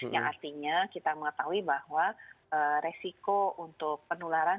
yang artinya kita mengetahui bahwa resiko untuk penularan